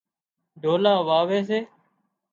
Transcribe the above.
ڍولا واوي سي